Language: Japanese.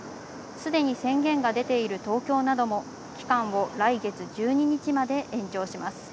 すでに宣言が出ている東京なども期間を来月１２日まで延長します。